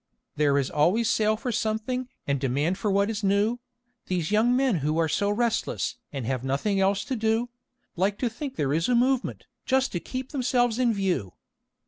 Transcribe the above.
"There is always sale for something, and demand for what is new. These young men who are so restless, and have nothing else to do, Like to think there is 'a movement,' just to keep themselves in view.